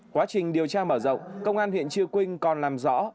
quá trình điều tra mở rộng công an huyện chư quynh còn làm rõ